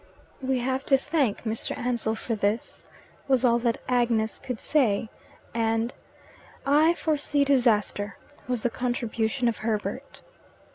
"We have to thank Mr. Ansell for this," was all that Agnes could say; and "I foresee disaster," was the contribution of Herbert.